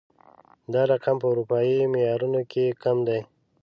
دا رقم په اروپايي معيارونو کې کم دی